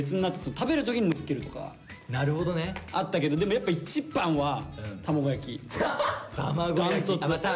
食べる時にのっけるとかあったけどでもやっぱ一番は卵焼き断トツ。